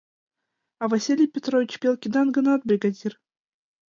А Василий Петрович пел кидан гынат, бригадир...